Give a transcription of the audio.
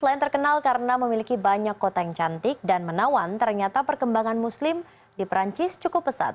selain terkenal karena memiliki banyak kota yang cantik dan menawan ternyata perkembangan muslim di perancis cukup pesat